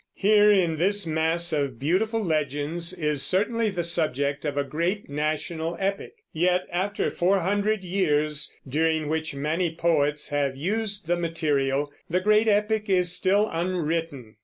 Here, in this mass of beautiful legends, is certainly the subject of a great national epic; yet after four hundred years, during which many poets have used the material, the great epic is still unwritten.